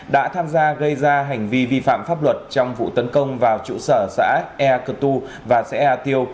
đã tham gia gây ra hành vi vi phạm pháp luật trong vụ tấn công vào trụ sở xã ea cơ tu và xã ea tiêu